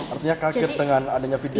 artinya kaget dengan adanya video